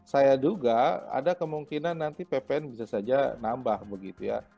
saya duga ada kemungkinan nanti ppn bisa saja nambah begitu ya